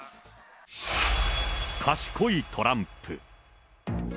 賢いトランプ。